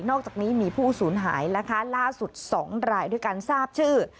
อกจากนี้มีผู้สูญหายนะคะล่าสุด๒รายด้วยการทราบชื่อ